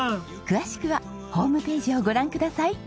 詳しくはホームページをご覧ください。